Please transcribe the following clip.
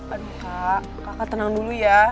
aduh kak kakak tenang dulu ya